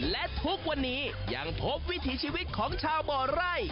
และทุกวันนี้ยังพบวิถีชีวิตของชาวบ่อไร่